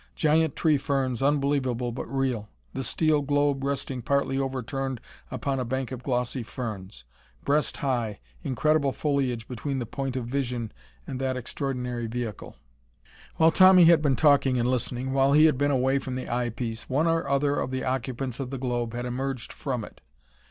Giant tree ferns, unbelievable but real. The steel globe resting partly overturned upon a bank of glossy ferns. Breast high, incredible foliage between the point of vision and that extraordinary vehicle. While Tommy had been talking and listening, while he had been away from the eyepiece, one or other of the occupants of the globe had emerged from it.